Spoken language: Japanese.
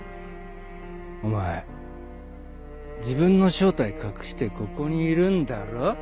お前自分の正体隠してここにいるんだろ？